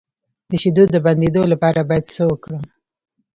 د شیدو د بندیدو لپاره باید څه وکړم؟